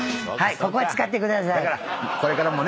ここは使ってください。